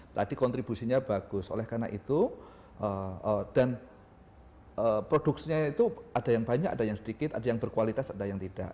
tadi kontribusinya bagus oleh karena itu dan produksinya itu ada yang banyak ada yang sedikit ada yang berkualitas ada yang tidak